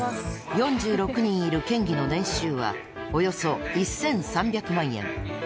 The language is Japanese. ４６人いる県議の年収はおよそ１３００万円。